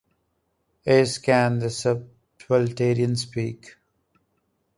In Can the Subaltern Speak?